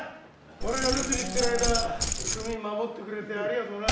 俺が留守にしてる間組守ってくれてありがとな。